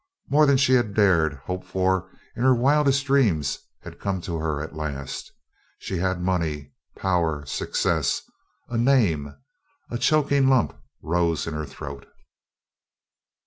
More than she had dared hope for in her wildest dreams had come to her at last. She had money, power, success, a name. A choking lump rose in her throat.